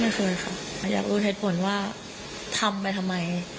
ไม่เคยค่ะอยากรู้เหตุผลว่าทำไปทำไม